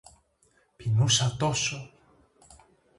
Πεινούσα τόσο!